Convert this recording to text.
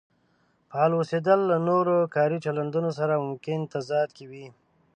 فعال اوسېدل له نورو کاري چلندونو سره ممکن تضاد کې وي.